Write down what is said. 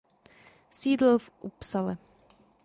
Sídlil v Uppsale.